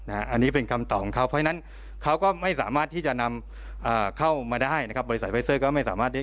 อันนี้เป็นคำตอบของเขาเพราะฉะนั้นเขาก็ไม่สามารถที่จะนำเข้ามาได้นะครับบริษัทไฟเซอร์ก็ไม่สามารถได้